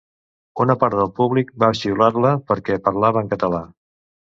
Una part del públic va xiular-la perquè parlava en català.